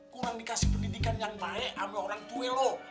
kurang dikasih pendidikan yang baik sama orang tua lu